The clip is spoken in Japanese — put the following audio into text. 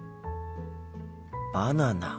バナナか。